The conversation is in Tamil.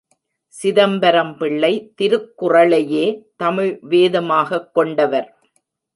சிதம்பரம் பிள்ளை திருக்குறளையே, தமிழ் வேதமாகக் கொண்டவர்.